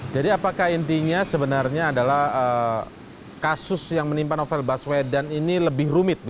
jadi apakah intinya sebenarnya adalah kasus yang menimpan novel baswedan ini lebih rumit